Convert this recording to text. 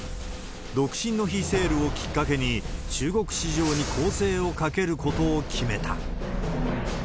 独身の日セールをきっかけに、中国市場に攻勢をかけることを決めた。